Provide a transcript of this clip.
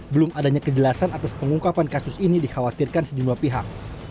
belum adanya kejelasan atas pengungkapan kasus ini dikhawatirkan sejumlah pihak